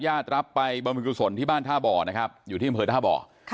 ญาติรับไปบรรพิกุศลที่บ้านท่าบ่อนะครับอยู่ที่บรรพิกุศลท่าบ่อ